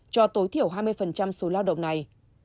cho tối thiểu hai mươi số lao động này